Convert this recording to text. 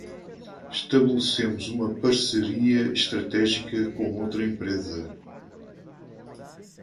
Estabelecemos uma parceria estratégica com outra empresa.